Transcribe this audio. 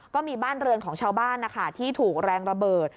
ก็มีบ้านเรือนของชาวบ้านนะคะที่ถูกแรงระเบิด